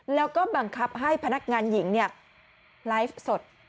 แล้วก็บังคับให้พนักงานหญิงไลฟ์สด